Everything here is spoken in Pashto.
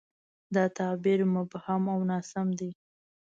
دا تعبیر مبهم او ناسم دی.